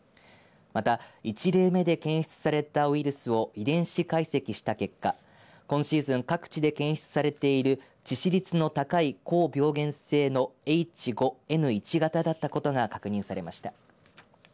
また、１例目で検出されたウイルスを遺伝子解析した結果今シーズン各地で検出されている致死率の高い高病原性のＨ５Ｎ１型だったことが確認されました。